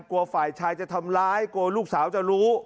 ฝ่ายชายจะทำร้ายกลัวลูกสาวจะรู้